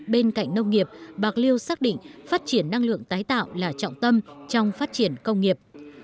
bên cạnh nông nghiệp bạc liêu xác định phát triển năng lượng tái tạo là trọng tâm trong phát triển công nghiệp